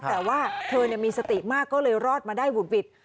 แต่ว่าเธอมีสติมากก็เลยรอดมาได้หุดหวิด